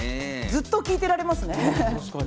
ずっと聞いていられますね。